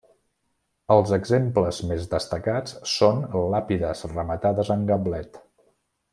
Els exemples més destacats són làpides rematades en gablet.